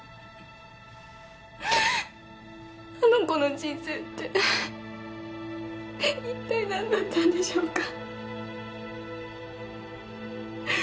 あの子の人生っていったい何だったんでしょうか。